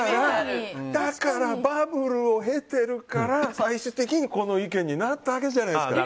バブルを経ているから最終的にこの意見になったわけじゃないですか。